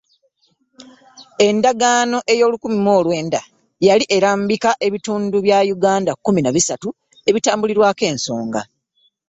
Endagaano ey'olukumi mu olw'enda yali erambika ebitundu bya Uganda kkumi na bisatu ebitambulirako ensonga